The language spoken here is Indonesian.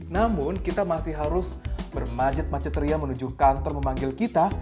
namun kita masih harus bermajet macetria menuju kantor memanggil kita